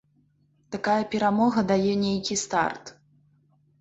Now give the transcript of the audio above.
Такая перамога дае нейкі старт.